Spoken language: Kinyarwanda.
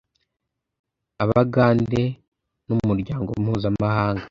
“Abagande n’umuryango mpuzamahanga